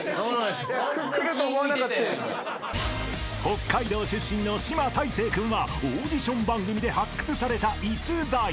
［北海道出身の島太星君はオーディション番組で発掘された逸材］